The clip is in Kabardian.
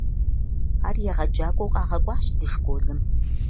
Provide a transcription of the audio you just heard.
Ар егъэджакӏуэу къагъэкӏуащ ди школым.